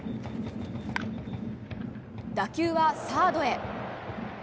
打球はサードへ。